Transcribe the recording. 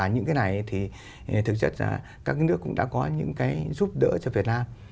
những cái này thì thực chất là các nước cũng đã có những cái giúp đỡ cho việt nam